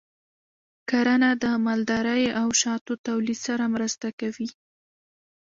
کرنه د مالدارۍ او شاتو تولید سره مرسته کوي.